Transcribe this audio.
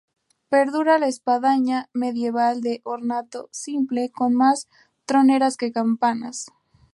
Perdura la espadaña medieval de ornato simple con más troneras que campanas.